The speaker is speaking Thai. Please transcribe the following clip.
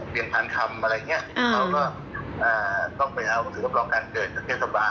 บางทรัพย์สะเกลียดเข้าทะบาล